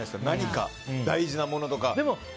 何か大事なものとか。